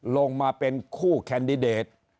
ลงมาเป็นคู่แคนดิเดต